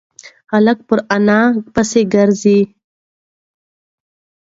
هلک پر انا پسې گرځي.